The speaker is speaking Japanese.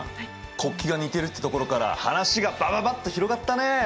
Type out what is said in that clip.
国旗が似てるってところから話がバババッと広がったね。